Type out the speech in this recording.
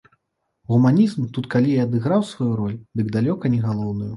Гуманізм тут калі і адыграў сваю ролю, дык далёка не галоўную.